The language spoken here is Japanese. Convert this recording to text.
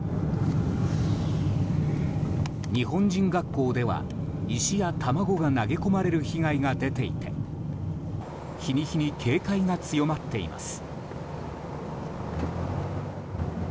日本人学校では、石や卵が投げ込まれる被害が出ていて日に日に警戒が強まっています。